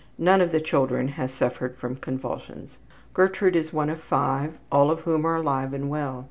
None of the children has suffered from convulsions. Gertrude is one of five, all of whom are alive and well.